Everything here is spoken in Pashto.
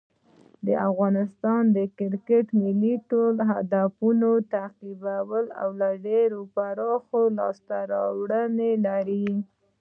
افغان کرکټ ټیم خپل هدفونه تعقیبوي او ډېرې پراخې لاسته راوړنې لري.